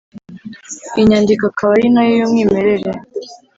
iyi nyandiko akaba ari na yo y'umwimerere,